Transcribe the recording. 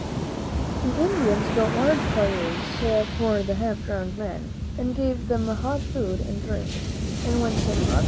The Indians built large fires for the half drowned men, and gave them hot food and drink, and when some other